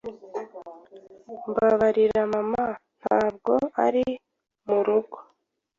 Mbabarira, mama ntabwo ari murugo.